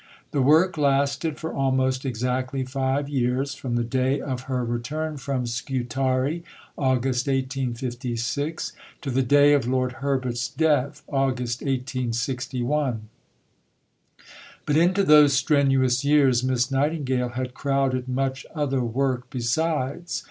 The work lasted for almost exactly five years, from the day of her return from Scutari (August 1856) to the day of Lord Herbert's death (August 1861). But into those strenuous years Miss Nightingale had crowded much other work besides.